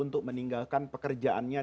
untuk meninggalkan pekerjaannya